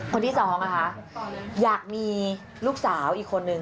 คนที่สองนะคะอยากมีลูกสาวอีกคนนึง